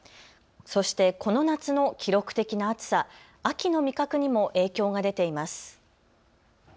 そしてこの夏の記録的な暑さ、秋の味覚にも影響が出ています。